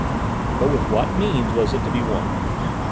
But with what means was it to be won?